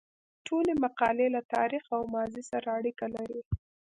ټولې مقالې له تاریخ او ماضي سره اړیکه لري.